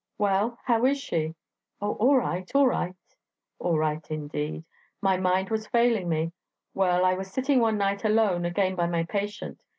'Well? how is she?' 'Oh, all right, all right!' All right, indeed! My mind was failing me. Well, I was sitting one night alone again by my patient.